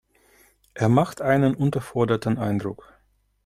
Er macht einen unterforderten Eindruck.